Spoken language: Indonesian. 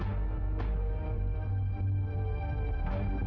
di situ ya tante sudah selesai